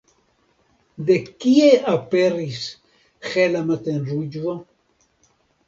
De kie aperis hela matenruĝo?